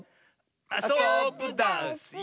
あそぶダスよ！